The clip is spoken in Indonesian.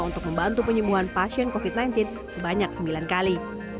untuk membantu penyembuhan pasien covid sembilan belas sebanyak sembilan kali